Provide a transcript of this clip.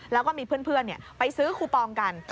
แล้วก็มีเพื่อนไปซื้อคูปองกัน